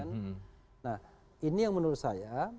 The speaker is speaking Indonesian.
nah ini yang menurut saya